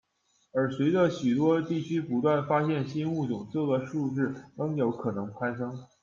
而随着许多地区不断发现新物种，这个数字仍有可能攀升。